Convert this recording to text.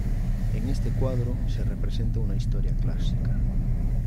En este cuadro se representa una historia clásica.